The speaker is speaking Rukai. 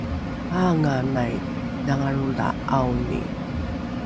aanganai dhangalro la ’aoni